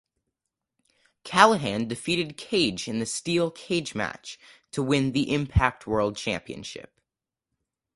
Callihan defeated Cage in the steel cage match to win the Impact World Championship.